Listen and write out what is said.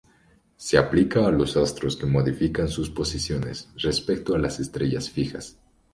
Se aplica a los astros que modifican sus posiciones respecto a las estrellas fijas.